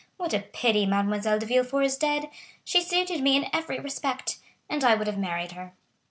"What a pity Mademoiselle de Villefort is dead! She suited me in every respect, and I would have married her."